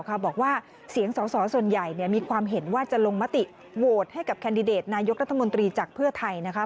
ถ้าต้องโหดเห็นชอบให้กับในส่วนของเพื่อไทยอย่างไร